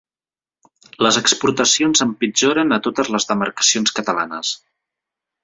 Les exportacions empitjoren a totes les demarcacions catalanes.